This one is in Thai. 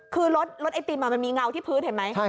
คือรถไอติมมันมีเงาที่พื้นเห็นไหม